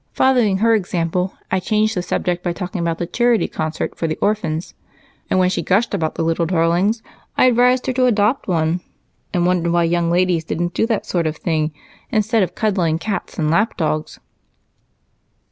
Following her example, I changed the subject by talking about the charity concert for the orphans, and when she gushed about the 'little darlings,' I advised her to adopt one and wondered why young ladies didn't do that sort of thing, instead of cuddling cats and lapdogs."